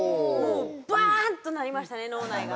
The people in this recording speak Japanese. バーンっとなりましたね、脳内が。